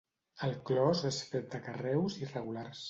El clos és fet de carreus irregulars.